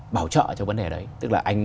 bảo trợ cho vấn đề đấy tức là anh